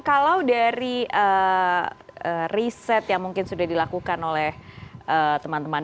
kalau dari riset yang mungkin sudah dilakukan oleh teman teman